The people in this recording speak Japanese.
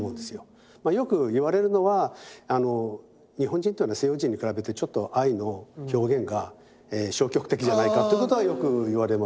よく言われるのは日本人というのは西洋人に比べてちょっと愛の表現が消極的じゃないかっていうことはよく言われますよね。